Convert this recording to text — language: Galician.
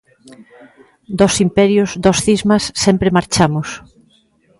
Dos imperios, dos cismas, sempre marchamos.